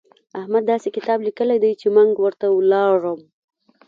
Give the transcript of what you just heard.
احمد داسې کتاب ليکلی دی چې منګ ورته ولاړم.